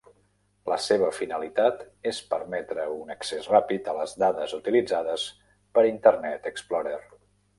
La seva finalitat és permetre un accés ràpid a les dades utilitzades per Internet Explorer.